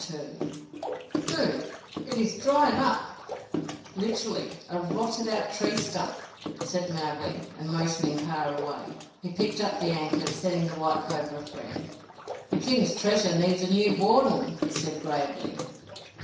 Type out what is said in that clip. "THUU" ("It is dried up" Literally, a rotted out tree stump), said Mowgli; and motioning Kaa away, he picked up the ankus, setting the White Cobra free. "The King's Treasure needs a new Warden," he said gravely.